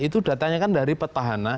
itu datanya kan dari petahana